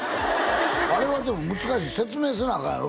あれはでも難しい説明せなアカンやろ？